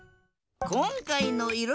こんかいのいろ